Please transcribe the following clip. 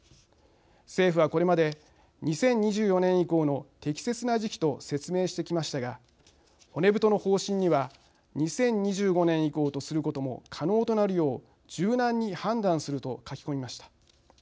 政府はこれまで２０２４年以降の適切な時期と説明してきましたが骨太の方針には２０２５年以降とすることも可能となるよう柔軟に判断すると書き込みました。